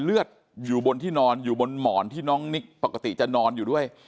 เลือดอยู่บนที่นอนอยู่บนหมอนที่น้องนิกปกติจะนอนอยู่ด้วย